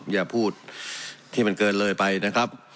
อย่าพูดที่มันเกินเลยไปนะครับ